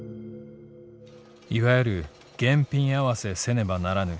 「いわゆる現品合せせねばならぬ。